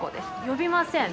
呼びません！